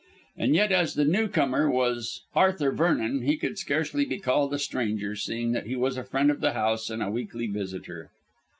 And yet, as the newcomer was Arthur Vernon, he could scarcely be called a stranger, seeing that he was a friend of the house and a weekly visitor.